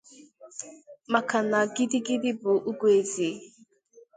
maka na gidigidi bụ ùgwù eze